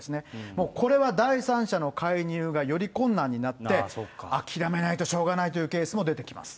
もうこれは第三者の介入がより困難になって、諦めないとしょうがないというケースも出てきます。